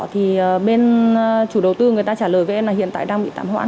thì bên chủ đầu tư người ta trả lời với em là hiện tại đang bị tạm hoãn